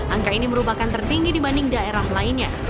angka ini merupakan tertinggi dibanding daerah lainnya